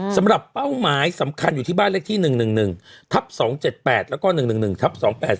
เป้าหมายสำคัญอยู่ที่บ้านเลขที่๑๑๑ทับ๒๗๘แล้วก็๑๑๑ทับ๒๘๔